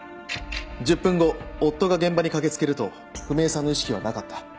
１０分後夫が現場に駆け付けると史絵さんの意識はなかった。